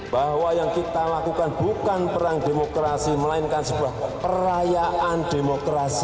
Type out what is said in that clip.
bahwa yang kita lakukan bukan perang demokrasi melainkan sebuah perayaan demokrasi